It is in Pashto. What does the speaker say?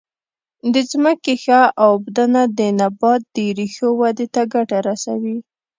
د ځمکې ښه اوبدنه د نبات د ریښو ودې ته ګټه رسوي.